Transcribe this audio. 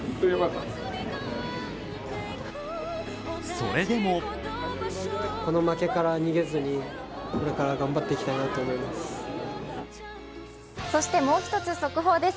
それでもそしてもう１つ速報です。